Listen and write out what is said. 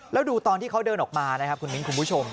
แล้วดูตอนที่เขาเดินออกมานะครับคุณมิ้นคุณผู้ชม